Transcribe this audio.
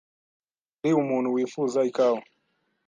Hari umuntu wifuza ikawa?